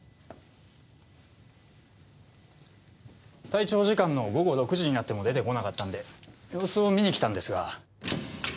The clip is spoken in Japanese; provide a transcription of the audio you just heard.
退庁時間の午後６時になっても出てこなかったんで様子を見に来たんですが。